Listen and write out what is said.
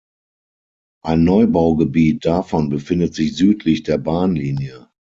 Ein Neubaugebiet davon befindet sich südlich der Bahnlinie.